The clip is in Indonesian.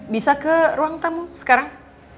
bisa ke ruang tamu sekarang